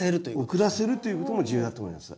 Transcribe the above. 遅らせるということも重要だと思います。